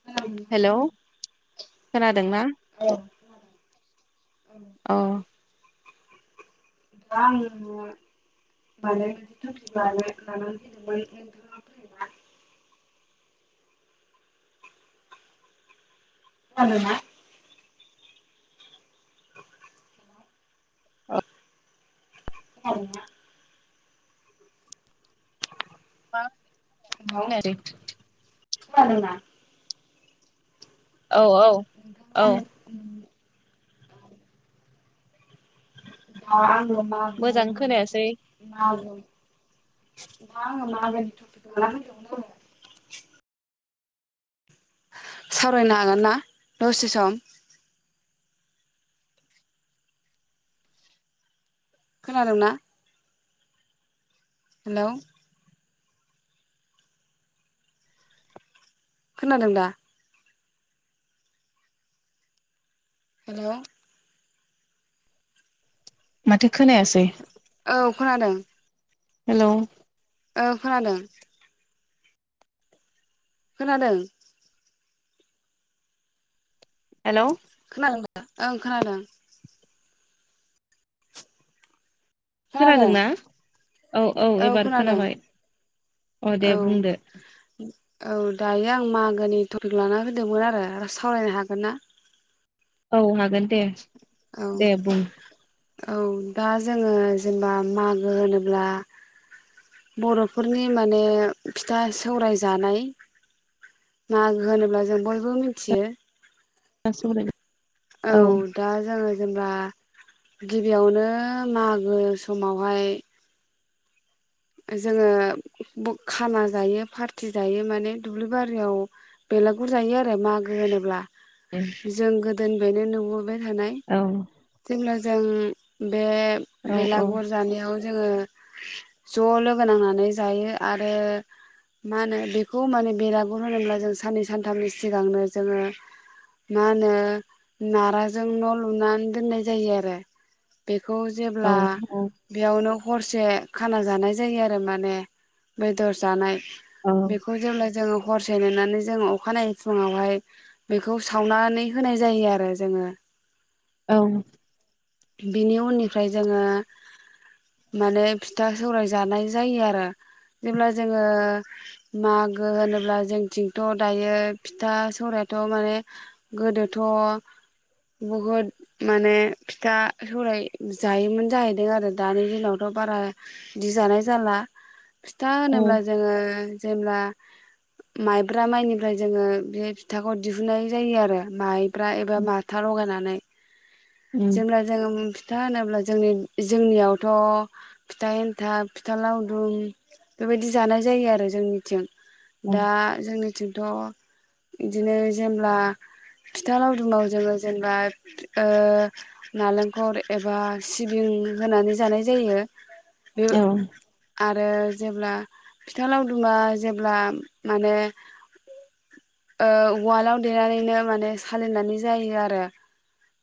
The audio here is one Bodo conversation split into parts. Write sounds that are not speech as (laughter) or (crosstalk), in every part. औ हेलौ खोनादोंना? औ अ (unintelligible) खोनादोंना? (inaudible) (unintelligible) मा खानाया दै खोनादोंना? औ औ खोनादोंना औ। (inaudible) (unintelligible) (unintelligible) मा मोजां खोनायासै आलु (unintelligible) सावरायनो हागोन ना दसे सम? खोनादोंना? हेलौ। खोनादों दा? हेलौ माथो खोनायासै। औ खोनादों। हेलौ औ खोनादों। खोनादों? हेलौ खोनादोंना? ओं खोनादों। खोनादों खोनादोंना? औ औ एबार खोनाबाय अ औ दे बुंदो। औ दायो आं मागोनि टपिक लानानै फैदोंमोन आरो आरो सावरायनो हागोन ना? औ हागोन दे। औ दे बुं। औ दा जोङो जेनेबा मागो होनोब्ला बर'फोरनि माने फिथा सौराय जानाय मागो होनोब्ला जों बयबो मिथियो। (unintelligible) औ दा जोङो जेनेबा गिबियावनो मागो समावहाय जोङो बु खाना जायो पार्टि जायो माने दुब्लि बारियाव बेलागुर जायो आरो मागो होनोब्ला। जों गोद (unintelligible) बाय थानाय औ जेब्ला ज जों उम बे औ बेलागुर जानायाव जोङो ज' लोगो नांनानै जायो आरो मा होनो बेखौ माने बेरागुर होनोब्ला जों साननै सानथामनि सिगांनो जोङो मा होनो नाराजों न' लुनानै दोननाय जायो आरो बेख खौ औ जेब्ला बेयावनो ह हरसे खाना जानाय जायो आरो माने बेदर जानाय। बेखौ जेब्ला जोङो हरसे नेनानै जोङो अखानायै फुङावहाय बेखौ सावनानै होनाय जायो आरो जोङो। औ बिनि उननिफ्राय जोङो माने फिथ था सौराय जानाय जायो आरो जेब्ला जोङो मागो होनोब्ला जोंथिंथ' दायो फिथा सौरायथ' माने गोदोथ' बहुद माने फिथा सौराय जायोमोन जाहैदों आरो दानि दिनावथ' बारा बिदि जानाय जाला। फिथा होनोब्ला उम जोङो जेब्ला माइब्रा माइनिफ्राय जोङो बे फिथाखौ दिहुननाय जायो आरो माइ ब्रा एबा माथा लगायनानै उम जेब्ला जोंङो उम फिथ था होनोब्ला जोंनि जोंनियावथ' फिथा एन्थाब, फिथा लावदुम बेबायदि जानाय जायो आरो जोंनिथिं। औ दा जोंनिथिंथ' इदिनो जेमब्ला फिथा लावदुमाव जोङो जेनेबा ओ नालेंखर एबा सिबिं होनानै जानाय जायो। बे औ आर रो जेब्ला फिथा लावदुमा जेब्ला माने ओ उवालाव देनानैनो माने सालिनानै जायो आरो।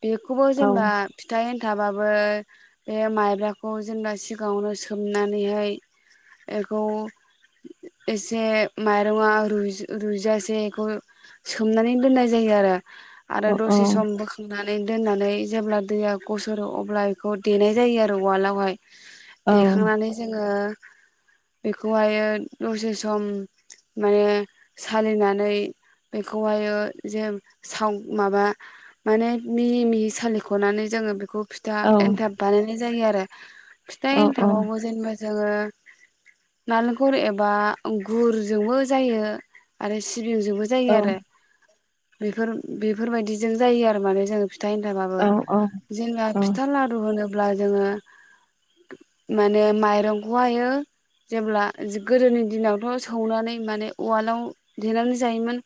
बेखौबो औ जेनेबा फिथा एनथाबाबो बे माइब्राखौ जेनबा स सिगाङावनो सोमनानैहाय एखौ एसे माइर'ङा रुयज रुयजासे एखौ सोमनानै दोननाय जायो आरो। आरो औ दसे सम बोखांनानै दोननानै जेब्ला दैया गसरो अब्ला बेखौ देनाय जायो आरो उवालावहाय। औ देखांनानै जोङो बेखौहायो दसे सम माने सालिनानै बेखौहायो जे साव माबा माने मिहि मिहि सालिख'नानै जोङो बेखौ फिथा औ एन्थाब बानायनाय जायो आरो। (inaudible) फिथा एन्थाबावबो जेनबा ज जोङो नालेंखर एबा गुरजोंबो जायो आरो सि सिबिंजोबो जायो आरो। बेफोर बेफोरबायदिजों जायो आरो माने जों फि फिथा एन्थाबाबो औ जेनेबा औ फिथा लारु होनोब अब्ला जोङो माने माइरंखौहायो जेब्ला जो गोदोनि दिनावथ' सौनानै माने उवालाव देनानै जायोमोन।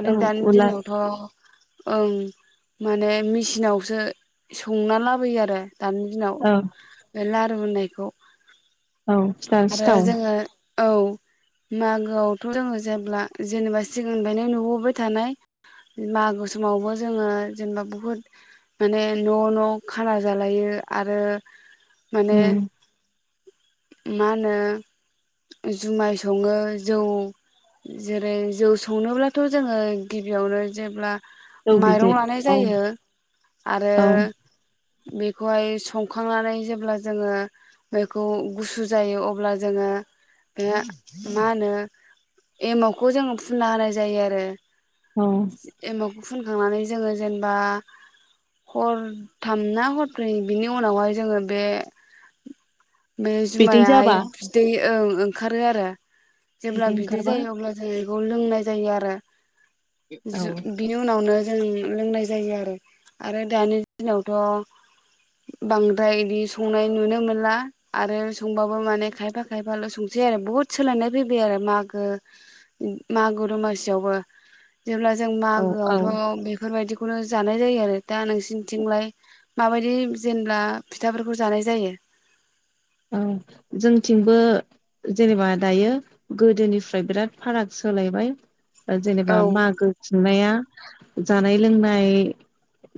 आरो औ दानि उलार दिनावथ' ओं माने मेचिनावसो संना लाबोयो आरो। दानि दिनाव औ लारु होननायखौ औ सिथाव आरो सिथाव जोङो औ मागोआवथ' जोङो जेब्ला जेनेबा सिगांनिफ्रायनो नुबोबाय थानाय मागो समावबो जोङो जेनेबा बुहुद माने न' न' खाना जालायो आरो माने उम मा होनो जुमाय सङो जौ जेरै जौ संनोब्लाथ' जोङो गिबियावनो जेब्ला जौ बिदै माइरं लानाय औ जायो आरो औ बेखौहाय संखांनानै जेब्ला जोङो बैखौ गुसु जायो अब्ला जोङो बे मा होनो एमावखौ जोङो फुनना होनाय जायो आरो। औ एमाव फुनखांनानै जोङो जेनेबा हरथाम ना हरब्रै बिनि उनावहाय जोङो बे बे बिदै जुमायाहाय जाबा बिदै ओ ओंखारो आरो जेब्ला बिदै जायो अब्लासो बेखौ लोंनाय जायो आरो। औ जो बिनि उनावनो जों लोंनाय जायो आरो आरो दानि दिनावथ' बांद्राय इदि स संनाय नुनो मोनला आरो संबाबो माने खायफा खायफाल' संसै आरो बुहुद सोलायनाय फैबाय आरो मागो मागो दमासियावबो। जेब्ला जों औ औ मागोआवथ' बेफोरबायदि फुरा जानाय जायो आरो दा नोंसिनिथिंलाय माबायदि जेनब्ला फिथाफोरखौ जानाय जायो। औ जोंथिंबो जेनेबा दायो गोदोनिफ्राय बिराद फाराग सोलायबाय। जेनेबा औ मागो खुंनाया जानाय लोंनाय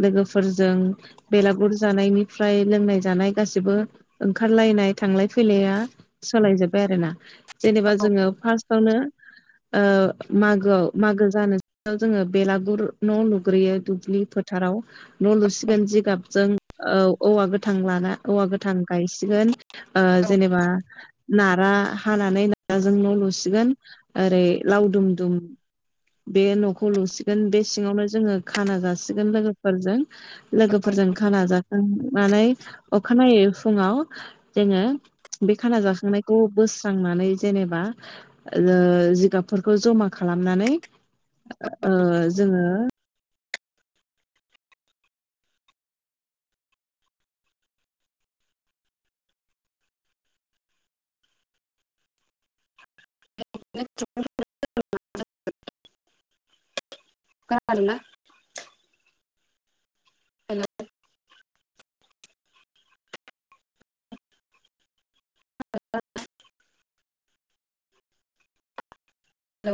लोगोफोरजों बेलागुर जानायनिफ्राय लोंनाय जानाय गासिबो ओं ओंखारलायनाय थांलाय फैलाया सोलाय जोबबाय आरोना। जेनेबा जोङो फार्स्टआवनो ओ मागोआव मागो जानोसैआव जोङो बेलागुर न' लुग्रोयो दुब्लि फोथाराव। न' लुसिगोन जिगाबजों औ औवा गोथां लाना औवा गोथां गाय सिगोन ओ जेनेबा नारा हानानै नाराजों न' लुसिगोन। ओरै लावदुम दुम बे न'खौ लुसिगोन बे सिङावनो जोङो खाना जासिगोन लोगोफोरजों। लोगोफोरजों खाना जा खांनानै अखानायै फुङाव जोङो बे खाना जाखांनायखौ बोस्रांनानै जेनेबा ओ जिगाबफोरखौ जमा खालामनानै ओ जोङो (unintelligible) हेलौ। (unintelligible)